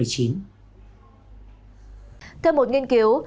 theo một nghiên cứu